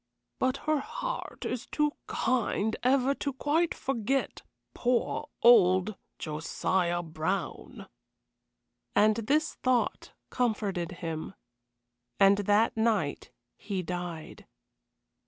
But her heart is too kind ever to quite forget poor old Josiah Brown." And this thought comforted him. And that night he died.